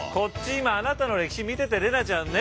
今あなたの歴史見てて怜奈ちゃんねえ？